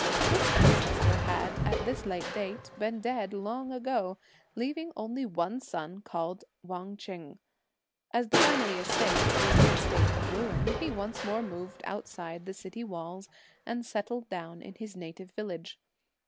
This ancestor had, at this date, been dead long ago, leaving only one son called Wang Ch'eng. As the family estate was in a state of ruin, he once more moved outside the city walls and settled down in his native village.